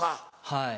はい。